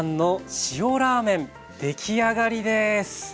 出来上がりです。